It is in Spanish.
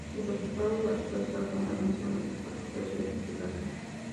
Los resultados a su vez se ordenan inicialmente por su fecha de publicación.